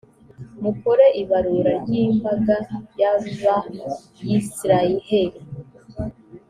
mukore ibarura ry’imbaga y’abayisraheli.